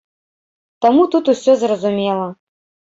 Таму тут усё зразумела.